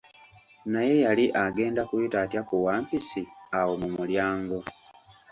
Naye yali agenda kuyita atya ku wampisi awo mu mulyango?